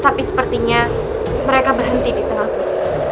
tapi sepertinya mereka berhenti di tengah kota